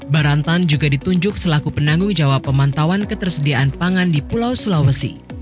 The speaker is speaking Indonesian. barantan juga ditunjuk selaku penanggung jawab pemantauan ketersediaan pangan di pulau sulawesi